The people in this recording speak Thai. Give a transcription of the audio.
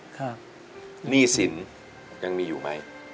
หนี้สินยังมีอยู่ไหม